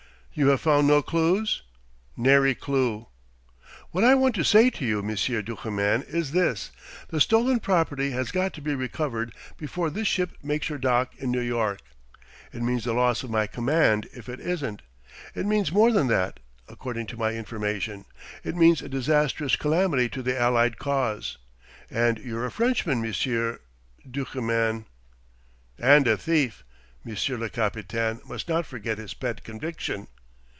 "You have found no clues ?" "Nary clue." "What I want to say to you, Monsieur Duchemin, is this: the stolen property has got to be recovered before this ship makes her dock in New York. It means the loss of my command if it isn't. It means more than that, according to my information; it means a disastrous calamity to the Allied cause. And you're a Frenchman, Monsieur Duchemin." "And a thief. Monsieur le capitaine must not forget his pet conviction."